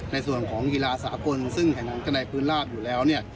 ในส่วนของกีฬาสากลซึ่งแผ่นนังไกนก์ฟื้นลากอยู่แล้ว